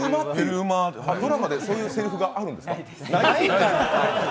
ドラマでそういうせりふがあるんですか？